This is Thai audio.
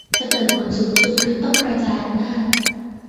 จะเกิดผลสูงสุดคือต้องกระจายอำนาจ